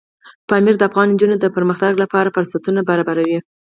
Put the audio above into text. پامیر د افغان نجونو د پرمختګ لپاره فرصتونه برابروي.